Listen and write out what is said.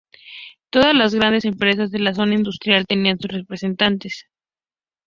Todas las grandes empresas de la zona industrial tenían sus representantes.